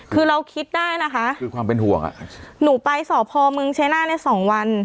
คือเราคิดได้นะคะคือความเป็นห่วงอ่ะหนูไปสอบพอเมืองชัยหน้าในสองวัน